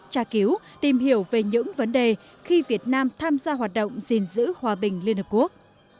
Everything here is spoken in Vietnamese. tra cứu tìm hiểu về những vấn đề khi việt nam tham gia hoạt động gìn giữ hòa bình liên hợp quốc